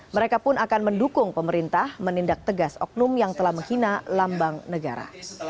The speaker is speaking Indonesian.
mereka pun akan mendukung pemerintah menindak tegas oknum yang telah menghina lambang negara